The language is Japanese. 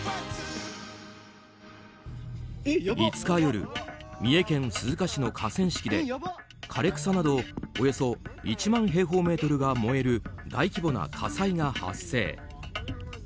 ５日夜三重県鈴鹿市の河川敷で枯れ草などおよそ１万平方メートルが燃える大規模な火災が発生。